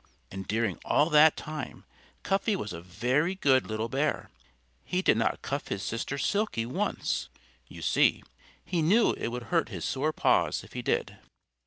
And during all that time Cuffy was a very good little bear. He did not cuff his sister Silkie once. You see, he knew it would hurt his sore paws if he did.